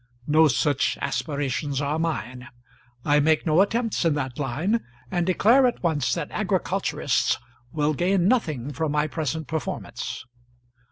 No such aspirations are mine. I make no attempts in that line, and declare at once that agriculturists will gain nothing from my present performance.